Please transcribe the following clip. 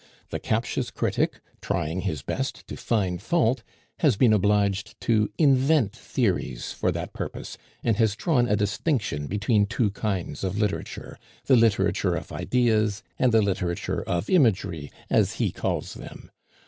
The captious critic, trying his best to find fault, has been obliged to invent theories for that purpose, and has drawn a distinction between two kinds of literature 'the literature of ideas and the literature of imagery,' as he calls them.